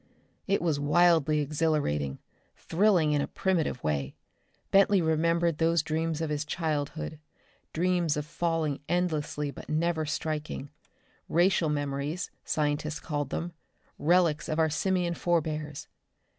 It was wildly exhilarating, thrilling in a primitive way. Bentley remembered those dreams of his childhood dreams of falling endlessly but never striking. Racial memories, scientists called them, relics of our simian forebears.